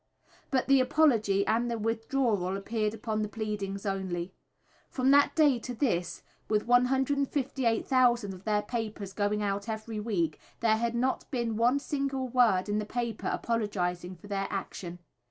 But the apology and the withdrawal appeared upon the pleadings only. From that day to this, with 158,000 of their papers going out every week, there had net been one single word in the paper apologising for their action.